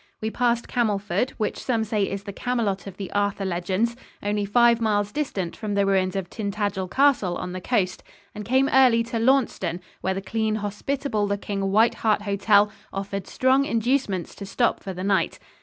We passed Camelford which some say is the Camelot of the Arthur legends only five miles distant from the ruins of Tintagel Castle on the coast, and came early to Launceston, where the clean hospitable looking White Hart Hotel offered strong inducements to stop for the night.